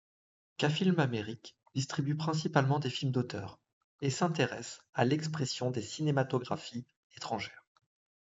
K-Films Amérique distribue principalement des films d'auteur, et s’intéresse à l’expression des cinématographies étrangères.